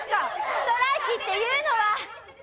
ストライキっていうのは！